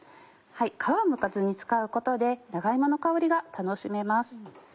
皮むかずに使うことで長芋の香りが楽しめます。